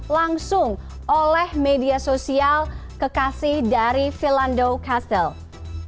langsung oleh media sosial kekasih dari vilando castle